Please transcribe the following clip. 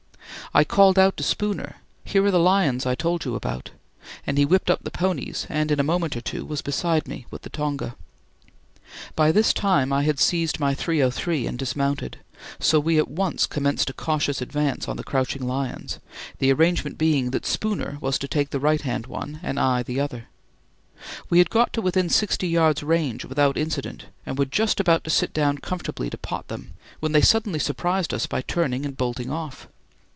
I called out to Spooner, "Here are the lions I told you about," and he whipped up the ponies and in a moment or two was beside me with the tonga. By this time I had seized my .303 and dismounted, so we at once commenced a cautious advance on the crouching lions, the arrangement being that Spooner was to take the right hand one and I the other. We had got to within sixty yards' range without incident and were just about to sit down comfortably to "pot" them, when they suddenly surprised us by turning and bolting off.